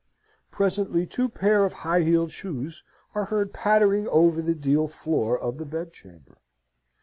Presently, two pairs of high heeled shoes are heard pattering over the deal floor of the bedchamber.